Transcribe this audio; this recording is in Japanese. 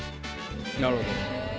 なるほど。